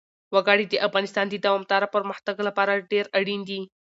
وګړي د افغانستان د دوامداره پرمختګ لپاره ډېر اړین دي.